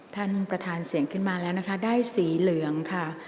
ท่านประธานเสียงขึ้นมาแล้วนะคะได้สีเหลืองค่ะ